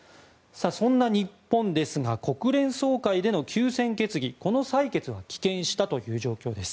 そんな日本ですが国連総会での休戦決議この採決は棄権したという状況です。